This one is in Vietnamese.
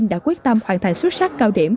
đã quyết tâm hoàn thành xuất sắc cao điểm